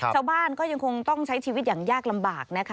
ชาวบ้านก็ยังคงต้องใช้ชีวิตอย่างยากลำบากนะคะ